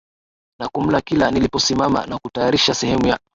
na kumla Kila niliposimama na kutayarisha sehemu ya